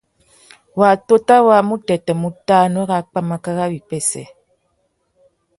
Wututa wa mutêtê mutānú râ pwámáká râ wipêssê.